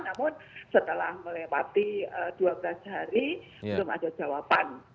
namun setelah melewati dua belas hari belum ada jawaban